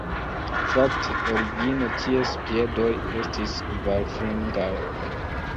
Fakte, origine ties piedoj estis kvarfingraj.